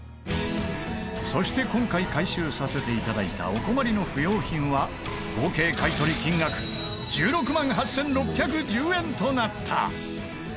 そして今回回収させて頂いたお困りの不要品は合計買い取り金額１６万８６１０円となった。